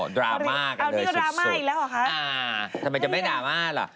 ดราม่ากันเลยสุดอ่าทำไมจะไม่ดราม่าเหรอ